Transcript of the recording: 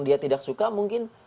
dia tidak suka mungkin